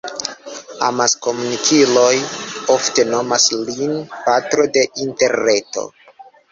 Amaskomunikiloj ofte nomas lin «patro de Interreto».